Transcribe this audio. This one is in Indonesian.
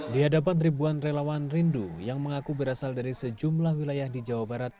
di hadapan ribuan relawan rindu yang mengaku berasal dari sejumlah wilayah di jawa barat